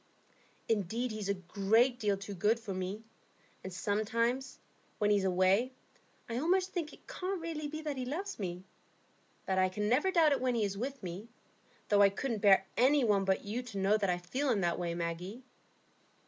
"Indeed, he's a great deal too good for me. And sometimes, when he is away, I almost think it can't really be that he loves me. But I can never doubt it when he is with me, though I couldn't bear any one but you to know that I feel in that way, Maggie."